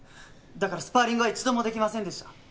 だからスパーリングは一度もできませんでした。